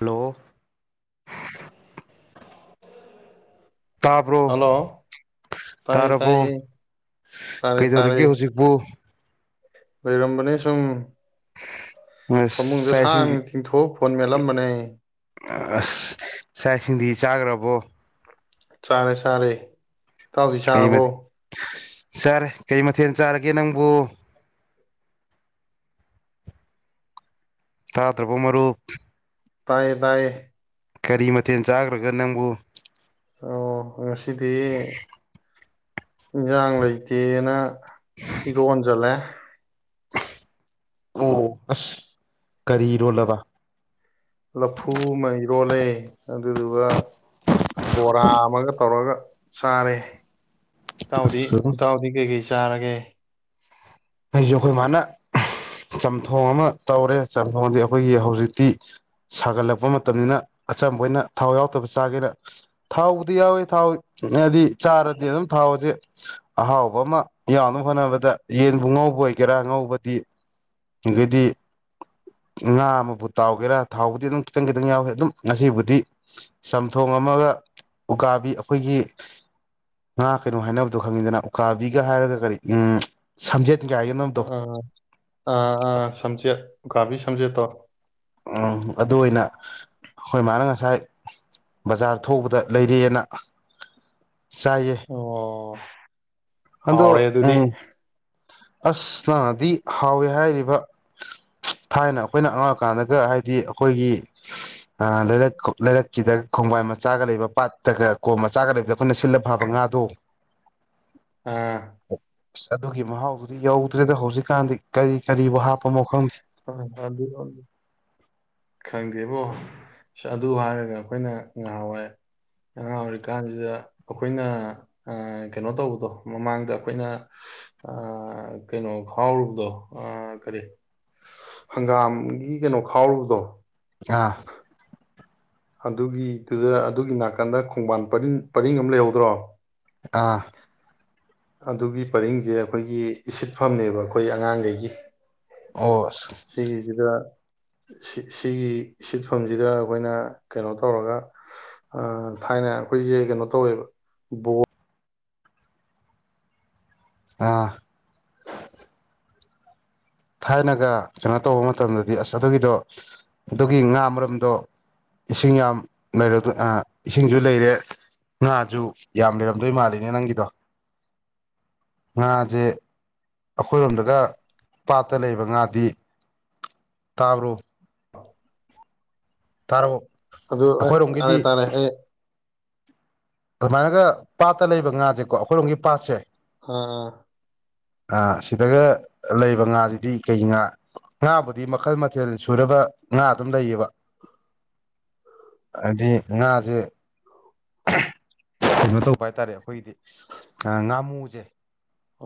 ꯂꯣ [inaudible] ꯇꯥꯕ꯭ꯔꯣ ꯍꯜꯂꯣ ꯇꯥꯏꯌꯦ ꯇꯥꯔꯕꯣ ꯇꯥꯏꯌꯦ ꯇꯥꯔꯦ ꯇꯥꯔꯦ ꯀꯩꯗꯧꯔꯤꯒꯦ ꯍꯧꯖꯤꯛꯄꯨ ꯂꯩꯔꯝꯕꯅꯦ ꯁꯨꯝ ꯑꯁ ꯐꯃꯨꯡꯗ ꯆꯥꯛ ꯏꯁꯤꯡꯗꯤ ꯁꯥꯡꯅ ꯇꯤꯡꯊꯣꯛ ꯐꯣꯟ ꯃꯦꯠꯂꯝꯕꯅꯦ ꯑꯁ ꯆꯥꯛ ꯏꯁꯤꯡꯗꯤ ꯆꯥꯒꯔꯕꯣ ꯆꯥꯔꯦ ꯆꯥꯔꯦ ꯏꯇꯥꯎꯗꯤ ꯀꯩ ꯆꯥꯔꯕꯣ ꯃꯊꯦꯜ ꯆꯥꯔꯦ ꯀꯩ ꯃꯊꯦꯜ ꯆꯥꯔꯒꯦ ꯅꯪꯕꯣ ꯇꯥꯗ꯭ꯔꯕꯣ ꯃꯔꯨꯞ ꯇꯥꯏꯌꯦ ꯇꯥꯏꯌꯦ ꯀꯔꯤ ꯃꯊꯦꯜ ꯆꯥꯒꯔꯒꯦ ꯅꯪꯕꯨ ꯑꯣ ꯉꯁꯤꯗꯤ ꯏꯟꯖꯥꯡ ꯂꯩꯇꯦꯅ ꯏꯔꯣꯟꯖꯜꯂꯦ ꯑꯣ ꯑꯁ ꯀꯔꯤ ꯏꯔꯣꯜꯂꯕ ꯂꯐꯨ ꯑꯃ ꯏꯔꯣꯜꯂꯦ ꯑꯗꯨꯗꯨꯒ ꯕꯣꯔꯥ ꯑꯃꯒ ꯇꯧꯔꯒ ꯆꯥꯔꯦ ꯏꯇꯥꯎꯗꯤ ꯏꯇꯥꯎꯗꯤ ꯀꯩ ꯀꯩ ꯆꯥ ꯆꯥꯔꯒꯦ ꯑꯩꯖꯤ ꯑꯈꯣꯏ ꯃꯥꯅ ꯆꯝꯊꯣꯡ ꯑꯃ ꯇꯧꯔꯦ ꯆꯝꯊꯣꯡꯖꯤ ꯑꯩꯈꯣꯏꯒꯤ ꯍꯧꯖꯤꯛꯇꯤ ꯁꯥꯒꯠꯂꯛꯄ ꯃꯇꯝꯅꯤꯅ ꯑꯆꯝꯕ ꯑꯣꯏꯅ ꯊꯥꯎ ꯌꯥꯎꯗꯕ ꯆꯥꯖꯦꯅ ꯊꯥꯎꯕꯨꯗꯤ ꯌꯥꯎꯋꯦ ꯊꯥꯎ ꯍꯥꯏꯗꯤ ꯆꯥꯔꯗꯤ ꯑꯗꯨꯝ ꯊꯥꯎꯑꯖꯦ ꯑꯍꯥꯎꯕ ꯑꯃ ꯌꯥꯎꯅꯕ ꯍꯣꯠꯅꯕꯗ ꯌꯦꯟ ꯕꯨꯉꯧꯕ ꯑꯣꯏꯒꯦꯔꯥ ꯉꯧꯕꯗꯤ ꯑꯗꯨꯗꯤ ꯉꯥ ꯑꯃꯕꯨ ꯇꯥꯎꯒꯦꯔꯥ ꯊꯥꯎꯕꯨꯗꯤ ꯑꯗꯨꯝ ꯈꯤꯇꯪ ꯈꯤꯇꯪ ꯌꯥꯎꯏ ꯑꯗꯨꯝ ꯉꯁꯤꯕꯨꯗꯤ ꯆꯝꯊꯣꯡ ꯑꯃꯒ ꯎꯀꯥꯕꯤ ꯑꯈꯣꯏꯒꯤ ꯉꯥ ꯀꯩꯅꯣ ꯍꯥꯏꯅꯕꯗꯣ ꯈꯪꯉꯤꯗꯅ ꯎꯀꯥꯕꯤꯒ ꯍꯥꯏꯔꯒ ꯀꯔꯤ ꯎ ꯁꯝꯖꯦꯠ ꯥꯏꯅꯣ ꯇꯣ [inaudible] ꯑ ꯑ ꯁꯝꯆꯦꯠ ꯎꯀꯥꯕꯤ ꯁꯝꯖꯦꯠꯇꯣ ‌‌ꯑ‍ꯣ ꯑꯗꯨ ꯑꯣꯏꯅ ꯑꯩꯈꯣꯏ ꯃꯥꯅ ꯉꯁꯥꯏ ꯕꯖꯥꯔ ꯊꯣꯛꯎꯕꯗ ꯂꯩꯔꯦꯅ ꯑꯣ ꯍꯥꯎꯔꯦ ꯑꯗꯣ ꯑꯗꯨꯗꯤ ꯎꯝ ꯑꯁ ꯅꯥꯟꯅꯗꯤ ꯍꯥꯎꯋꯦ ꯍꯥꯏꯔꯤꯕ ꯊꯥꯏꯅ ꯑꯩꯈꯣꯏꯅ ꯑꯉꯥꯡ ꯑꯣꯏꯀꯥꯟꯗꯒ ꯍꯥꯏꯗꯤ ꯑꯩꯈꯣꯏꯒꯤ ꯂꯩꯔꯛ ꯂꯩꯔꯛꯀꯤꯗ ꯈꯣꯡꯕꯥꯏ ꯃꯆꯥꯒ ꯂꯩꯕ ꯄꯥꯠꯇꯒ ꯀꯣꯝ ꯃꯆꯥꯒ ꯂꯩꯕꯗ ꯑꯩꯈꯣꯏꯅ ꯁꯤꯜꯂ ꯐꯕ ꯉꯥꯗꯣ ꯑꯥ ꯑꯁ ꯑꯗꯨꯒꯤ ꯃꯍꯥꯎꯗꯨꯗꯤ ꯌꯧꯗ꯭ꯔꯦꯗ ꯍꯧꯖꯤꯛꯀꯥꯟꯗꯤ ꯀꯔꯤ ꯀꯔꯤꯕꯨ ꯍꯥꯞꯄ ꯃꯪꯗꯦ ꯈꯪꯗꯦꯕꯣ ꯑꯗꯨ ꯍꯥꯏꯔꯒ ꯑꯩꯈꯣꯏꯅ ꯉꯍꯥꯎꯋꯥꯏ ꯉꯍ ꯑꯣꯏꯔꯤꯀꯥꯟꯁꯤꯗ ꯑꯩꯈꯣꯏꯅ ꯀꯩꯅꯣ ꯇꯧꯕꯗꯣ ꯃꯃꯥꯡꯗ ꯑꯩꯈꯣꯏꯅ ꯀꯩꯅꯣ ꯈꯥꯎꯔꯨꯕꯗꯣ ꯀꯔꯤ ꯍꯪꯒꯥꯝꯒꯤ ꯀꯩꯅꯣ ꯈꯥꯎꯔꯨꯕꯗꯣ ꯑꯥ ꯑꯗꯨꯒꯤꯗꯨꯗ ꯑꯗꯨꯒꯤ ꯅꯥꯀꯟꯗ ꯈꯣꯡꯕꯥꯟꯔꯤꯡ ꯄꯔꯤꯡ ꯑꯃ ꯂꯩꯍꯧꯗ꯭ꯔꯣ ꯑꯥ ꯑꯗꯨꯒꯤ ꯄꯔꯤꯡꯁꯦ ꯑꯩꯈꯣꯏꯒꯤ ꯏꯁꯤꯠꯐꯝꯅꯦꯕ ꯑꯩꯈꯣꯏ ꯑꯉꯥꯡꯈꯩꯒꯤ ꯑꯣ ꯑꯁ ꯁꯤꯒꯤꯁꯤꯗ ꯁꯤꯒꯤ ꯁꯤꯠꯐꯝꯁꯤꯗ ꯑꯩꯈꯣꯏꯅ ꯀꯩꯅꯣ ꯇꯧꯔꯒ ꯊꯥꯏꯅ ꯑꯩꯈꯣꯏꯁꯦ ꯀꯩꯅꯣ ꯇꯧꯋꯦꯕ ꯕꯣ ꯑꯥ ꯊꯥꯏꯅꯒ ꯀꯩꯅꯣ ꯇꯧꯕ ꯃꯇꯝꯗꯗꯤ ꯑꯁ ꯑꯗꯨꯒꯤꯗꯣ ꯑꯗꯨꯒꯤ ꯉꯥ ꯃꯔꯝꯗꯣ ꯏꯁꯤꯡ ꯌꯥꯝ ꯂꯩ ꯏꯁꯤꯡꯁꯨ ꯂꯩꯔꯦ ꯉꯥꯁꯨ ꯌꯥꯝ ꯂꯩꯔꯝꯗꯣꯏ ꯃꯥꯜꯂꯤꯅꯦ ꯅꯪꯒꯤꯗꯣ ꯉꯥꯁꯦ ꯑꯩꯈꯣꯏꯔꯣꯝꯗꯒ ꯄꯥꯠꯇ ꯂꯩꯕ ꯉꯥꯗꯤ ꯇꯥꯕ꯭ꯔꯣ ꯄꯔꯕꯛ ꯑꯗꯨ ꯇꯥꯔꯦ ꯇꯥꯔꯦ ꯑꯩ ꯑꯗꯨꯃꯥꯏꯅꯒ ꯄꯥꯠꯇ ꯂꯩꯕ ꯉꯥꯁꯦꯀꯣ ꯑꯩꯈꯣꯏꯔꯣꯝꯒꯤ ꯄꯥꯠꯁꯦ ꯑꯥ ꯁꯤꯗꯒ ꯂꯩꯕ ꯉꯥꯁꯤꯗꯤ ꯀꯩ ꯉꯥ ꯉꯥꯕꯨꯗꯤ ꯃꯈꯜ ꯃꯊꯦꯜ ꯁꯨꯔꯕ ꯉꯥ ꯑꯗꯨꯝ ꯂꯩꯌꯦꯕ ꯍꯥꯏꯗꯤ ꯉꯥꯁꯦ ꯀꯩꯅꯣ ꯇꯧꯕ ꯍꯥꯏꯇꯥꯔꯦ ꯑꯩꯈꯣꯏꯒꯤꯗꯤ ꯉꯥꯃꯨꯁꯦ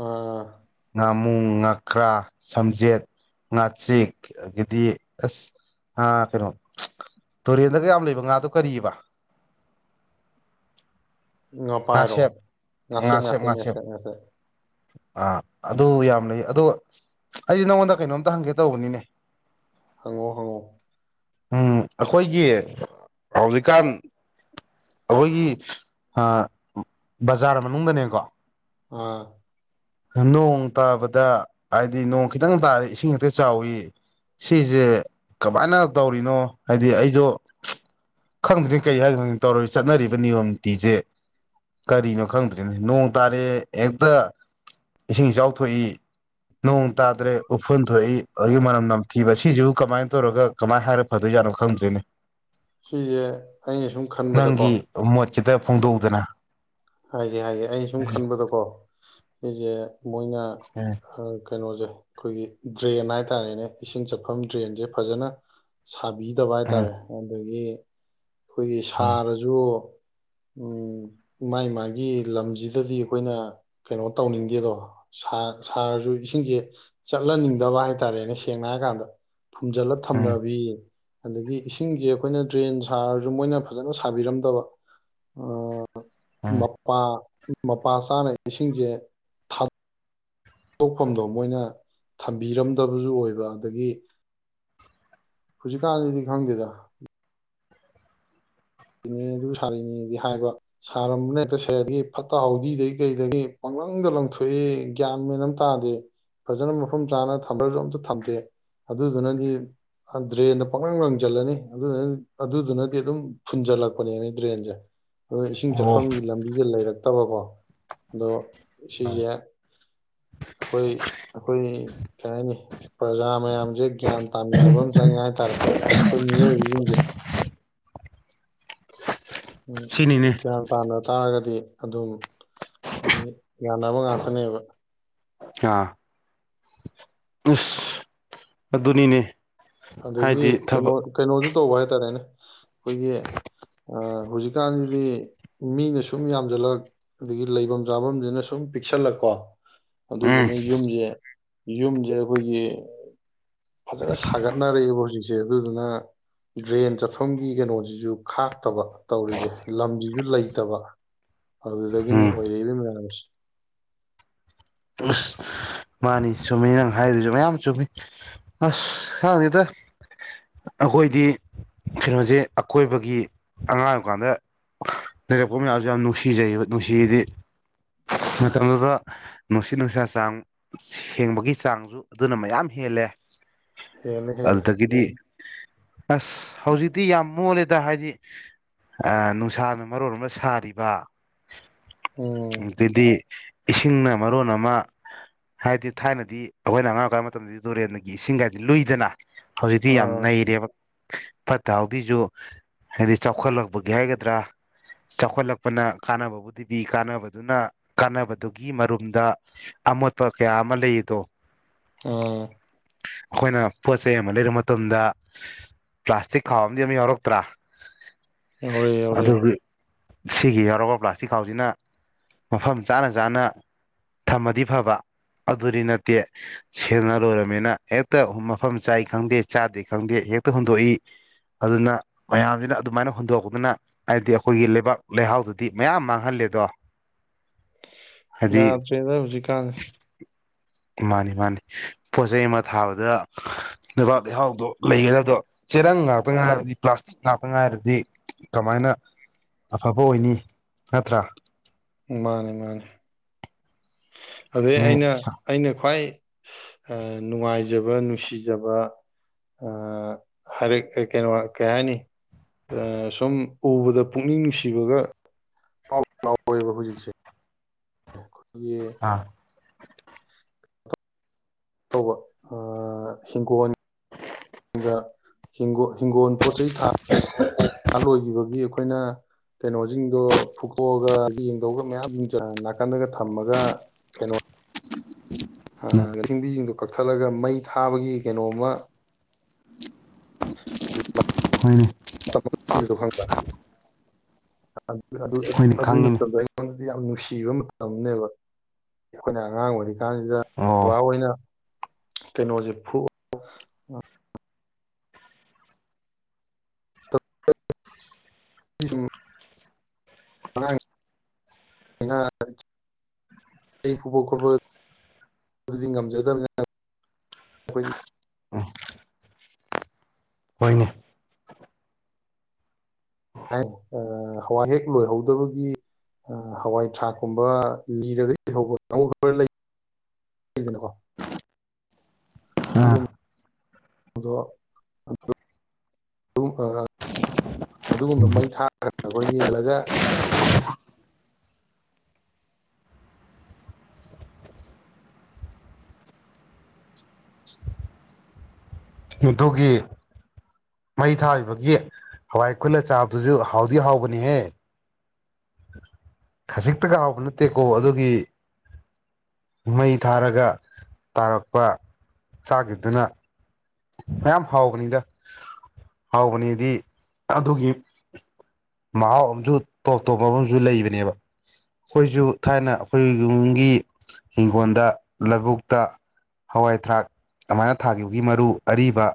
ꯑꯥ ꯉꯥꯃꯨꯡ ꯉꯥꯀ꯭ꯔꯥ ꯁꯝꯖꯦꯠ ꯉꯥꯆꯛ ꯑꯗꯒꯤꯗꯤ ꯑꯁ ꯀꯩꯅꯣ ꯇꯨꯔꯦꯟꯗꯒ ꯌꯥꯝ ꯂꯩꯕ ꯉꯥꯗꯣ ꯀꯔꯤꯔꯤꯕ ꯎꯄꯥꯏꯔꯣ ꯉꯥꯁꯦꯞ ꯉꯁꯦ ꯉꯥꯁꯦꯞ ꯃꯁꯤꯦ ꯉꯥꯁꯦꯞ ꯃꯁꯦꯁꯦ ꯑꯥ ꯑꯗꯨ ꯌꯥꯝ ꯂꯩ ꯑꯗꯣ ꯑꯩꯁꯦ ꯅꯉꯣꯟꯗ ꯀꯩꯅꯣꯝꯇ ꯍꯪꯒꯦ ꯇꯧꯕꯅꯤꯅꯦ ꯍꯪꯉꯣ ꯍꯉꯣ ꯎꯝ ꯑꯩꯈꯣꯏꯒꯤ ꯍꯧꯖꯤꯛꯀꯥꯟ ꯑꯩꯈꯣꯏꯒꯤ ꯕꯖꯥꯔ ꯃꯅꯨꯡꯗꯅꯦꯀꯣ ꯑꯥ ꯅꯣꯡ ꯇꯥꯕꯗ ꯍꯥꯏꯗꯤ ꯅꯣꯡ ꯈꯤꯇꯪ ꯇꯥꯔꯤ ꯏꯁꯤꯡ ꯈꯛꯇ ꯆꯥꯎꯋꯤ ꯁꯤꯁꯦ ꯀꯃꯥꯏꯅ ꯇꯧꯔꯤꯅꯣ ꯍꯥꯏꯗꯤ ꯑꯩꯗꯣ ꯈꯪꯗ꯭ꯔꯤ ꯀꯩ ꯍꯥꯏꯗꯣ ꯈꯪ ꯇꯧꯔ ꯆꯠꯅꯔꯤꯕ ꯅꯤꯌꯣꯝ ꯇꯤꯁꯦ ꯀꯔꯤꯅꯣ ꯈꯪꯗ꯭ꯔꯤꯅꯦ ꯅꯣꯡ ꯇꯥꯔꯦ ꯍꯦꯛꯇ ꯏꯁꯤꯡ ꯏꯆꯥꯎ ꯊꯣꯛꯏ ꯅꯣꯡ ꯇꯥꯗ꯭ꯔꯦ ꯎꯐꯨꯟ ꯊꯣꯛꯏ ꯑꯗꯨꯒꯤ ꯃꯅꯝ ꯅꯝꯊꯤꯕ ꯁꯤꯁꯤꯕꯨ ꯀꯃꯥꯏꯅ ꯇꯧꯔꯒ ꯀꯃꯥꯏꯅ ꯍꯥꯏꯔ ꯐꯗꯣꯏ ꯌꯥꯠꯅꯣ ꯈꯪꯗ꯭ꯔꯣꯏꯅꯦ ꯁꯤꯁꯦ ꯑꯩꯅ ꯁꯨꯝ ꯈꯟꯕꯗꯀꯣ ꯈꯤꯇ ꯐꯣꯡꯗꯣꯛꯎꯗꯅ ꯍꯥꯏꯒꯦ ꯍꯥꯏꯒꯦ ꯑꯩ ꯁꯨꯝ ꯈꯟꯕꯗꯀꯣ ꯑꯩꯁꯦ ꯃꯣꯏꯅ ꯎꯝ ꯍ ꯀꯩꯅꯣꯁꯦ ꯑꯩꯈꯣꯏꯒꯤ ꯗ꯭ꯔꯦꯟ ꯍꯥꯏꯇꯥꯔꯦꯅꯦ ꯏꯁꯤꯡ ꯆꯠꯐꯝ ꯗ꯭ꯔꯦꯟꯁꯦ ꯐꯖꯅ ꯁꯥꯕꯤꯗꯕ ꯎꯝ ꯍꯥꯏꯇꯥꯔꯦ ꯑꯗꯒꯤ ꯑꯩꯈꯣꯏꯒꯤ ꯎꯝ ꯁꯥꯔꯁꯨ ꯎꯝ ꯃꯥꯥꯏ ꯃꯥꯒꯤ ꯂꯝꯁꯤꯗꯗꯤ ꯑꯩꯈꯣꯏꯅ ꯀꯩꯅꯣ ꯇꯧꯅꯤꯡꯗꯦꯗꯣ ꯁꯥꯔꯁꯨ ꯏꯁꯤꯡꯁꯦ ꯆꯠꯍꯟꯅꯤꯡꯗꯕ ꯍꯥꯏꯇꯥꯔꯦꯅꯦ ꯁꯦꯡꯅ ꯍꯥꯏꯔꯀꯥꯟꯗ ꯐꯨꯝꯖꯜꯂ ꯎꯝ ꯊꯝꯅꯕꯤ ꯑꯗꯒꯤ ꯏꯁꯤꯡꯁꯦ ꯑꯩꯈꯣꯏꯅ ꯗ꯭ꯔꯦꯟ ꯁꯥꯔꯁꯨ ꯃꯣꯏꯅ ꯐꯖꯅ ꯁꯥꯕꯤꯔꯝꯗꯕ ꯎꯝ ꯎꯝ ꯃꯄꯥꯥ ꯃꯄꯥ ꯆꯥꯅ ꯏꯁꯤꯡꯁꯦ ꯊꯥ ꯊꯣꯛꯐꯝꯗꯣ ꯃꯣꯏꯅ ꯊꯝꯕꯤꯔꯝꯗꯕꯁꯨ ꯑꯣꯏꯕ ꯑꯗꯒꯤ ꯍꯧꯖꯤꯀꯥꯟ ꯗꯥꯥꯗꯤ ꯈꯡꯗꯦꯗ ꯅꯤ ꯑꯗꯨ ꯁꯥꯔꯤꯅꯦꯗꯤ ꯍꯥꯏꯕ ꯁꯥꯔꯝꯕꯅ ꯇꯁꯦꯡꯗꯒꯤ ꯐꯠꯇ ꯍꯥꯎꯊꯤꯗꯒꯤ ꯀꯩꯗꯒꯤ ꯄꯪꯂꯪꯗ ꯂꯪꯊꯣꯛꯏ ꯒ꯭ꯌꯥꯟ ꯃꯦꯟ ꯑꯃ ꯇꯥꯗꯦ ꯐꯖꯅ ꯃꯐꯝ ꯆꯥꯅ ꯊꯝꯕ꯭ꯔꯁꯨ ꯑꯝꯇ ꯊꯝꯗꯦ ꯑꯗꯨꯗꯨꯅꯗꯤ ꯗ꯭ꯔꯦꯟꯗ ꯄꯪꯂꯪ ꯂꯪꯁꯤꯜꯂꯅꯤ ꯑꯗꯨ ꯑꯗꯨꯗꯨꯅꯗꯤ ꯑꯗꯨꯝ ꯐꯨꯟꯖꯟ ꯂꯛꯄꯅꯦꯕꯥ ꯗ꯭ꯔꯦꯟꯖꯦ ꯑꯗꯨ ꯏꯁꯤꯡ ꯑꯣ ꯆꯠꯐꯝꯒꯤ ꯂꯝꯕꯤꯖꯦ ꯂꯩꯔꯛ ꯇꯔꯕꯣ ꯑꯗꯣ ꯁꯤꯁꯦ ꯑꯩꯈꯣꯏ ꯑꯩꯈꯣꯏ ꯀꯩ ꯍꯥꯏꯅꯤ ꯄ꯭ꯔꯖꯥ ꯃꯌꯥꯝꯁꯦ ꯒ꯭ꯌꯥꯟ ꯇꯥꯃꯤꯟꯅꯕ ꯑꯃ ꯆꯪꯉꯦ ꯍꯥꯏꯇꯥꯔꯦ ꯑꯩꯈꯣꯏ ꯃꯤꯑꯣꯏꯕꯁꯤꯡꯁꯦ [inaudible] ꯁꯤꯅꯤꯅꯦ ꯎꯝ ꯒꯌ꯭ꯥꯟ ꯇꯥꯅꯥ ꯇꯥꯔꯒꯗꯤ ꯑꯗꯨꯝ ꯍꯥꯏꯗꯤ ꯌꯥꯅꯕ ꯉꯥꯛꯇꯅꯦꯕ ꯑꯥ ꯢꯁ ꯑꯗꯨꯅꯤꯅꯦ ꯑꯗꯒꯤ ꯍꯥꯏꯗꯤ ꯀꯩꯅꯣ ꯊꯕꯛ ꯀꯩꯅꯣ ꯇꯧꯕ ꯍꯥꯏꯇꯥꯔꯦꯅꯦ ꯑꯩꯈꯣꯏꯒꯤ ꯍꯧꯖꯤꯛꯀꯥꯟꯗꯤ ꯃꯤꯅ ꯁꯨꯝ ꯌꯥꯝꯁꯤꯜꯂꯛ ꯑꯗꯒꯤ ꯂꯩꯐꯝ ꯆꯥꯐꯝꯁꯤꯅ ꯁꯨꯝ ꯄꯤꯛꯁꯜꯂꯛ ꯀꯣ ꯎꯝ ꯑꯗꯨꯗꯨꯅ ꯌꯨꯝꯁꯦ ꯌꯨꯝꯁꯦ ꯑꯩꯈꯣꯏꯒꯤ ꯐꯖꯅ ꯁꯥꯒꯠ ꯈꯛꯅꯔꯛꯏꯕꯣ ꯍꯧꯖꯤꯛꯁꯦ ꯑꯗꯨꯗꯨꯅ ꯗ꯭ꯔꯦꯟ ꯆꯠꯐꯝꯒꯤ ꯀꯩꯅꯣꯁꯤꯁꯨ ꯈꯥꯛꯇꯕ ꯇꯧꯔꯤꯁꯦ ꯂꯝꯁꯤꯁꯨ ꯂꯩꯇꯕ ꯑꯗꯨꯗꯒꯤꯅꯤ ꯎꯝ ꯑꯣꯏꯔꯛꯏꯕ ꯃꯌꯥꯝꯁꯦ ꯑꯁ ꯃꯥꯅꯤ ꯆꯨꯝꯃꯤ ꯅꯪ ꯍꯥꯏꯗꯁꯨ ꯃꯌꯥꯝ ꯆꯨꯝꯃꯤ ꯑꯁ ꯈꯪꯗꯦꯗꯥ ꯑꯩꯈꯣꯏꯗꯤ ꯀꯩꯅꯣꯁꯦ ꯑꯀꯣꯏꯕꯒꯤ ꯑꯉꯥꯡ ꯑꯣꯏꯕꯀꯥꯟꯗ ꯂꯩꯔꯛꯄ ꯃꯌꯥꯝꯁꯨ ꯌꯥꯝ ꯅꯨꯡꯁꯤꯖꯩꯌꯦꯕ ꯅꯨꯡꯁꯤꯗꯤ ꯃꯇꯝꯗꯨꯗ ꯅꯨꯡꯁꯤꯠ ꯅꯨꯡꯁꯥ ꯆꯥꯡ ꯁꯦꯡꯕꯒꯤ ꯆꯥꯡꯁꯨ ꯑꯗꯨꯅ ꯃꯌꯥꯝ ꯍꯦꯜꯂꯦ ꯍꯦꯜꯂꯦ ꯍꯦꯜꯂꯦ ꯑꯗꯨꯗꯒꯤꯗꯤ [inaudible] ꯑꯁ ꯍꯧꯖꯤꯛꯇꯤ ꯌꯥꯝ ꯃꯣꯜꯂꯦꯗ ꯗ ꯍꯥꯏꯗꯤ ꯑ ꯅꯨꯡꯁꯥꯅ ꯃꯔꯣꯟ ꯑꯃ ꯁꯥꯔꯤꯕ ꯎꯝ ꯑꯗꯨꯗꯤ ꯏꯁꯤꯡꯅ ꯃꯔꯣꯟ ꯑꯃ ꯍꯥꯏꯗꯤ ꯊꯥꯏꯅꯗꯤ ꯑꯩꯈꯣꯏꯅ ꯑꯉꯥꯡ ꯑꯣꯏꯀꯕ ꯃꯇꯝꯗꯗꯤ ꯇꯨꯔꯦꯟꯒꯤ ꯏꯁꯤꯡ ꯀꯥꯏꯗꯤ ꯂꯨꯏꯗꯅ ꯍꯧꯖꯤꯛꯇꯤ ꯌꯥꯝ ꯑꯥ ꯅꯩꯔꯦꯕꯥ ꯐꯠꯇ ꯍꯥꯎꯊꯤꯁꯨ ꯍꯥꯏꯗꯤ ꯆꯥꯎꯈꯠꯂꯛꯄꯒꯤ ꯍꯥꯏꯒꯗ꯭ꯔꯥ ꯆꯥꯎꯈꯠꯂꯛꯄꯅ ꯀꯥꯅꯕꯕꯨꯗꯤ ꯄꯤ ꯀꯥꯅꯕꯗꯨꯅ ꯀꯥꯟꯅꯕꯗꯨꯒꯤ ꯃꯔꯨꯝꯗ ꯑꯃꯣꯠ ꯄ ꯀꯌꯥ ꯑꯃ ꯂꯩꯗꯣ ꯎꯝ ꯑꯩꯈꯣꯏꯅ ꯄꯣꯠ ꯆꯩꯩ ꯑꯃ ꯂꯩꯔꯨ ꯃꯇꯝꯗ ꯄ꯭ꯂꯥꯁꯇꯤꯛ ꯈꯥꯎ ꯑꯃꯗꯤ ꯑꯃ ꯌꯥꯎꯔꯛꯇ꯭ꯔꯥ ꯌꯥꯎꯔꯛꯑꯦ ꯌꯥꯎꯔꯛꯑꯦ ꯑꯗꯨꯒꯤ ꯁꯤꯒꯤ ꯌꯥꯎꯔꯕ ꯄ꯭ꯂꯥꯁꯇꯤꯛ ꯈꯥꯎꯁꯤꯅ ꯃꯐꯝ ꯆꯥꯅ ꯆꯥꯅ ꯊꯝꯃꯗꯤ ꯐꯕ ꯑꯗꯨꯗꯤ ꯅꯠꯇꯦ ꯁꯦꯟꯅ ꯂꯣꯏꯔꯕꯝꯃꯤꯅ ꯍꯦꯛꯇ ꯃꯐꯝ ꯆꯥꯏ ꯈꯪꯗꯦ ꯆꯥꯗꯦ ꯈꯪꯗꯦ ꯍꯦꯛꯇ ꯍꯨꯟꯗꯣꯛꯏ ꯑꯗꯨꯅ ꯃꯌꯥꯝꯁꯤꯅ ꯑꯗꯨꯃꯥꯏꯅ ꯍꯨꯟꯗꯣꯛꯄꯗꯨꯅ ꯍꯥꯏꯗꯤ ꯑꯩꯈꯣꯏꯒꯤ ꯂꯩꯕꯥꯛ ꯂꯩꯍꯥꯎꯗꯨꯗꯤ ꯃꯌꯥꯝ ꯃꯥꯡꯍꯜꯂꯦꯗꯣ ꯍꯥꯏꯗꯤ ꯌꯥꯗ꯭ꯔꯦꯗ ꯍꯧꯖꯤꯛꯀꯥꯟ ꯃꯥꯅꯤ ꯃꯥꯅꯤ ꯄꯣꯠ ꯆꯩꯩ ꯑꯃ ꯊꯥꯕꯗ ꯂꯩꯕꯥꯛ ꯂꯩꯍꯥꯎꯗꯣ ꯂꯩꯒꯗꯕꯗꯣ ꯆꯦꯔꯪ ꯉꯥꯛꯇ ꯉꯥꯏꯔꯗꯤ ꯄ꯭ꯂꯥꯁꯇꯤꯛ ꯉꯥꯛꯇ ꯉꯥꯏꯔꯗꯤ ꯀꯃꯥꯏꯅ ꯑꯐꯕ ꯑꯣꯏꯅꯤ ꯅꯠꯇ꯭ꯔꯥ ꯃꯥꯅꯦ ꯃꯥꯅꯦ ꯑꯗꯨꯗꯩ ꯑꯩꯅ ꯑꯩꯅ ꯈ꯭ꯋꯥꯏ ꯅꯨꯡꯉꯥꯏꯖꯕ ꯅꯨꯡꯁꯤꯖꯕ ꯍꯥꯏꯔꯛ ꯀꯩꯅꯣ ꯀꯩ ꯍꯥꯏꯅꯤ ꯁꯨꯝ ꯎꯕꯗ ꯄꯨꯛꯅꯤꯡ ꯅꯨꯡꯁꯤꯕꯒ ꯄꯥꯎ ꯐꯥꯎꯋꯦꯕ ꯍꯧꯖꯤꯛꯁꯦ ꯌꯦ ꯑꯥ ꯇꯧꯕ ꯍꯤꯡꯒꯣꯜ ꯑꯗꯨꯒ ꯍꯤꯡꯒꯣꯜ ꯍꯤꯡꯒꯣꯜ ꯄꯣꯠ ꯆꯩ ꯊꯥ ꯂꯣꯏꯈꯤꯕꯒꯤ ꯑꯩꯈꯣꯏ ꯑꯩꯈꯣꯏꯅ ꯀꯩꯅꯣꯁꯤꯡꯗꯣ ꯐꯨꯀꯣꯛꯑꯒ ꯌꯦꯡꯗꯧꯑꯒ ꯃꯌꯥꯝꯁꯤꯡ ꯅꯥꯀꯟꯗꯒ ꯊꯝꯃꯒ ꯀꯩꯅꯣ ꯑ ꯂꯁꯤꯡꯕꯤꯁꯤꯡꯗꯣ ꯀꯛꯊꯠꯂꯒ ꯃꯩ ꯊꯥꯕꯒꯤ ꯀꯩꯅꯣꯝꯃ ꯐꯣꯏꯅꯦ ꯑꯗꯨꯒꯤꯗ ꯑꯩꯉꯣꯟ ꯌꯥꯝ ꯅꯨꯡꯁꯤꯕ ꯃꯇꯝꯅꯦꯕ ꯑꯩꯈꯣꯏꯅ ꯑꯉꯥꯡ ꯑꯣꯏꯔꯤꯉꯩ ꯀ ꯀꯥꯟꯁꯤꯗ ꯕꯕꯥ ꯑꯣ ꯑꯣꯏꯅ ꯇꯩꯅꯣ ꯍꯧꯖꯤꯦ ꯐꯨ ꯎꯝ ꯉꯥꯡ ꯑꯩ ꯐꯕꯣ ꯈꯨꯕꯨ ꯉꯝꯖꯗ ꯑꯩ ꯍꯣꯏꯅꯦ ꯍꯥꯢ ꯑ ꯍꯋꯥꯏ ꯍꯦꯛ ꯂꯣꯏꯍꯧꯗꯕꯒꯤ ꯑꯥ ꯍꯋꯥꯏ ꯊ꯭ꯔꯥꯛꯀꯨꯝꯕ ꯂꯤꯔꯒꯗꯤ ꯂꯩꯍꯧꯕ [inaudible] ꯂꯩꯗꯅꯀꯣ? ꯑꯥ ꯑꯗꯨꯒꯨꯝ ꯕꯗꯣ ꯑꯗꯨ ꯒꯨꯝ ꯑ ꯑꯗꯨꯒꯨꯝꯕꯗꯣ ꯃꯩ ꯊꯥꯔꯒ ꯑꯈꯣꯏ ꯌꯦꯜꯂꯒ ꯑꯗꯨꯒꯤ ꯃꯩ ꯊꯥꯒꯤꯕꯒꯤ ꯍꯋꯥꯏ ꯈꯨꯜꯂ ꯆꯥꯕꯗꯨꯖꯨ ꯍꯥꯎꯗꯤ ꯍꯥꯎꯕꯅꯤꯍꯦ꯫ ꯈꯖꯤꯛꯇꯒ ꯍꯥꯎꯕ ꯅꯠꯇꯦꯀꯣ ꯑꯗꯨꯒꯤ ꯃꯩ ꯊꯥꯔꯒ ꯇꯥꯔꯛꯄ ꯆꯥꯒꯤꯕꯗꯨꯅ ꯃꯌꯥꯝ ꯍꯥꯎꯕꯅꯤꯗ, ꯍꯥꯎꯕꯅꯦꯗꯤ ꯑꯗꯨꯒꯤ ꯃꯍꯥꯎ ꯑꯖꯨ ꯇꯣꯞ ꯇꯣꯞꯄ ꯑꯃꯖꯨ ꯂꯩꯕꯅꯦꯕ ꯑꯈꯣꯏꯖꯨ ꯊꯥꯏꯅ ꯑꯈꯣꯏꯖꯨ ꯌꯨꯝꯒꯤ ꯍꯤꯡꯈꯣꯟꯗ ꯂꯕꯨꯨꯛꯇ ꯍꯋꯥꯏꯊ꯭ꯔꯥꯛ ꯀꯃꯥꯏꯅ ꯊꯥꯈꯤꯕꯒꯤ ꯃꯔꯨ ꯑꯔꯤꯕ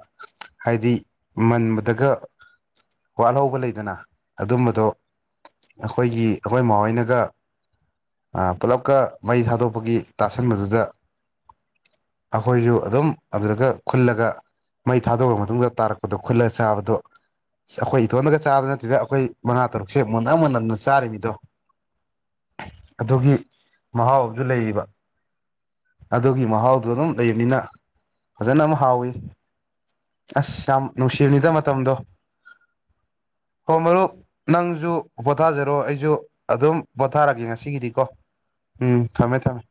ꯍꯥꯏꯗꯤ ꯃꯟꯕꯗꯒ ꯋꯥꯠꯍꯧꯕ ꯂꯩꯗꯅꯥ? ꯑꯗꯨꯝꯕꯗꯣ ꯑꯈꯣꯏꯒꯤ ꯑꯈꯣꯏ ꯃꯥ ꯍꯣꯢꯅꯒ ꯄꯨꯜꯂꯞꯀ ꯃꯩ ꯊꯥꯗꯣꯛꯄꯒꯤ ꯇꯥꯁꯟꯕꯗꯨꯗ ꯑꯈꯣꯏꯖꯨ ꯑꯗꯨꯝ ꯑꯗꯨꯗꯒ ꯈꯨꯜꯂꯒ ꯃꯩ ꯊꯥꯗꯣꯛꯒ꯭ꯔ ꯃꯇꯨꯡꯗ ꯇꯥꯔꯛꯄꯗꯣ ꯈꯨꯠꯂ ꯆꯥꯕꯗꯣ ꯁ ꯑꯈꯣꯏ ꯏꯇꯣꯟꯅꯒ ꯆꯥꯕ ꯅꯠꯇꯦꯗ ꯑꯈꯣꯏ ꯃꯉꯥ ꯇꯔꯨꯛꯁꯦ ꯃꯨꯟꯅ ꯃꯨꯟꯅꯗꯅ ꯆꯥꯔꯤꯃꯤꯗꯣ꯫ ꯑꯗꯨꯒꯤ ꯃꯍꯥꯎ ꯑꯝꯖꯨ ꯂꯩꯔꯤꯕ꯫ ꯑꯗꯨꯒꯤ ꯃꯍꯥꯎꯗꯣ ꯗꯨꯝ ꯂꯩꯔꯤꯝꯅꯤꯅ ꯐꯖꯅ ꯑꯝ ꯍꯥꯎꯋꯤ꯫ ꯑꯁ ꯌꯥꯝ ꯅꯨꯡꯁꯤꯕꯅꯤꯗ ꯃꯇꯝꯗꯣ꯫ ꯍꯣ ꯃꯔꯨꯞ ꯅꯪꯖꯨ ꯄꯣꯊꯥꯖꯔꯣ ꯑꯩꯖꯨ ꯑꯗꯨꯝ ꯄꯣꯊꯥꯔꯒꯦ ꯉꯁꯤꯒꯤꯗꯤꯀꯣ꯫ ꯎꯝ ꯊꯝꯃꯦ ꯊꯝꯃꯦ꯫